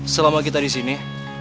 selama kita disini